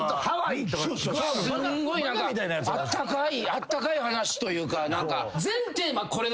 あったかい話というか何か。